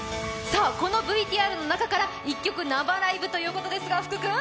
さあ、このＶＴＲの中から１曲、生ライブということですが福くん。